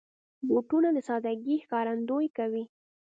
بوټونه د سادګۍ ښکارندويي کوي.